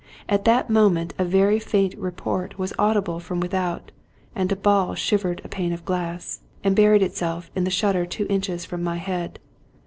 At that moment a very faint report was audible from without, and a ball shivered a pane of glass, and buried itself in the shutter two inches from my head.